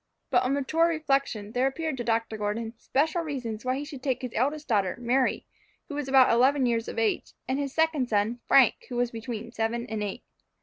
But on mature reflection there appeared to Dr. Gordon special reasons why he should also take his eldest daughter, Mary, who was about eleven years of age, and his second son, Frank, who was between seven and eight.